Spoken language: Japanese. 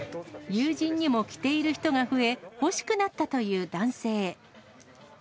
友人にも着ている人が増え、欲しくなったという男性。